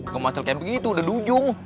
kalo macel kayak begitu udah dujung